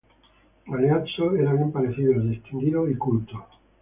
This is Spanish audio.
Galeazzo era bien parecido, distinguido y culto.